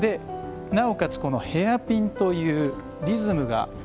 なおかつ、ヘアピンというリズムが。